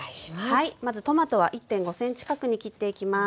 はいまずトマトは１．５ｃｍ角に切っていきます。